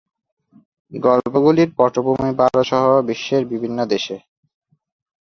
গল্পগুলির পটভূমি ভারত সহ বিশ্বের বিভিন্ন দেশ।